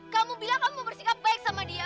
kamu bilang kamu mau bersikap baik sama dia